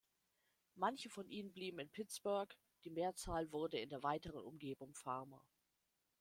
Manche von ihnen blieben in Pittsburgh, die Mehrzahl wurde in der weiteren Umgebung Farmer.